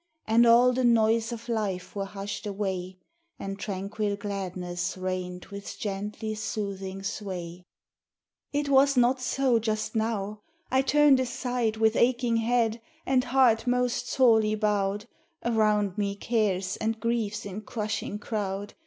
And all the noise of life were hushed away, And tranquil gladness reigned with gently soothing sway. It was not so just now. I turned aside With aching head, and heart most sorely bowed; Around me cares and griefs in crushing crowd.